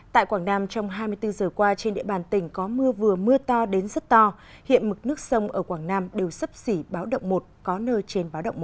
tại quảng nam trong hai mươi bốn giờ qua trên địa bàn tỉnh có mưa vừa mưa to đến rất to hiện mực nước sông ở quảng nam đều sấp xỉ báo động một có nơi trên báo động một